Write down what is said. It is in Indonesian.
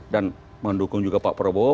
dan mendukung juga pak prabowo